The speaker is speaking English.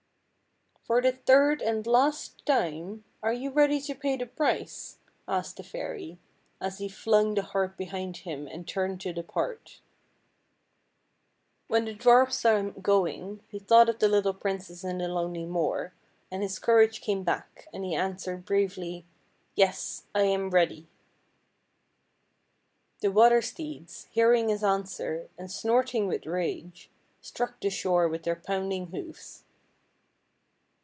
" For the third and last time, are you ready to pay the price? " asked the fairy, as he flung the harp behind him and turned to depart. When the dwarf saw him going he thought of the little princess in the lonely moor, and his courage came back, and he answered bravely :" Yes, I am ready." The water steeds, hearing his answer, and snorting with rage, struck the shore with their pounding hoofs.